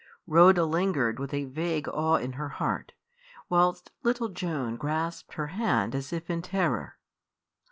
Rhoda lingered with a vague awe in her heart, whilst little Joan grasped her hand as if in terror.